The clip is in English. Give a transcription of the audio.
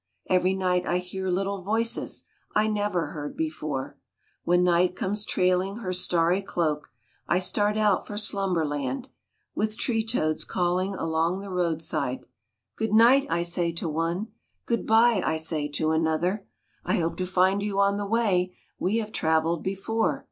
Every night I hear little voices I never heard before. When night comes trailing her starry cloak, I start out for slumberland, With tree toads calling along the roadside. RAINBOW GOLD Good night, I say to one, Good by, I say to another / hope to find you on the way We have traveled before!